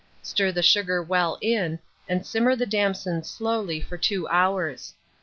Stir the sugar well in, and simmer the damsons slowly for 2 hours.